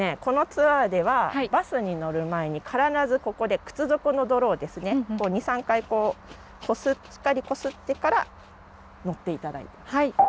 このツアーではバスに乗る前に必ずここで靴底の泥をですね２３回しっかりこすってから乗っていただいて。